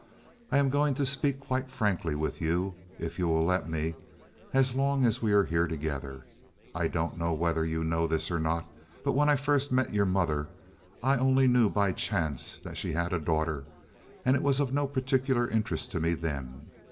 I am going to speak quite frankly with you, if you will let me, as long as we are here together. I don't know whether you know this or not, but when I first met your mother I only knew by chance that she had a daughter, and it was of no particular interest to me then.